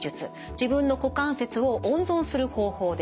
自分の股関節を温存する方法です。